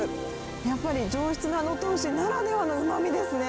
やっぱり、上質な能登牛ならではのうまみですね。